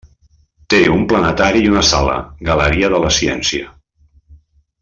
Té un planetari i una sala Galeria de la Ciència.